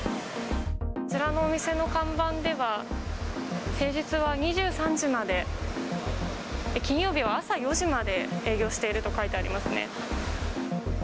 こちらのお店の看板では、平日は２３時まで、金曜日は朝４時まで営業していると書いてありますね。